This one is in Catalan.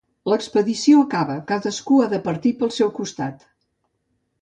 L'expedició acaba, cadascú ha de partir pel seu costat.